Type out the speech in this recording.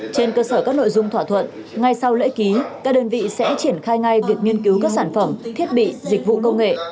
trên cơ sở các nội dung thỏa thuận ngay sau lễ ký các đơn vị sẽ triển khai ngay việc nghiên cứu các sản phẩm thiết bị dịch vụ công nghệ